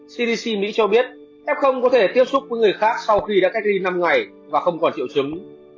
cdc mỹ cho biết f có thể tiếp xúc với người khác sau khi đã cách ly năm ngày và không còn triệu chứng